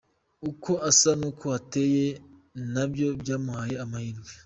Uko asa n'uko ateye nabyo byamuhaye amahirwe.